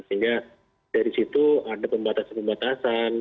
sehingga dari situ ada pembatasan pembatasan